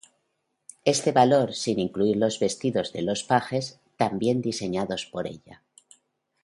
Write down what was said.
Este valor sin incluir los vestidos de los pajes tambien diseñados por ella.